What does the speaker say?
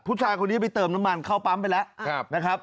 ผู้ชายคนนี้ไปเติมน้ำมันเข้าปั๊มไปแล้วนะครับ